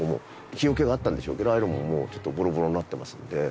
日よけがあったんでしょうけどああいうのももうちょっとボロボロになってますので。